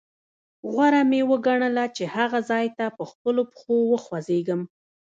غوره مې وګڼله چې هغه ځاې ته په خپلو پښو وخوځېږم.